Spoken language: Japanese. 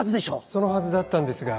そのはずだったんですが。